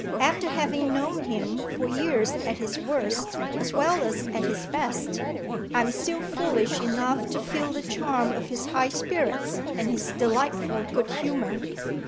After having known him for years at his worst, as well as at his best, I am still foolish enough to feel the charm of his high spirits and his delightful good humour.